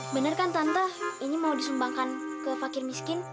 benar kan tante ini mau disumbangkan ke fakir miskin